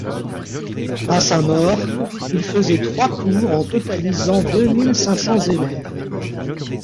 À sa mort, il faisait trois cours en totalisant deux mille cinq cents élèves.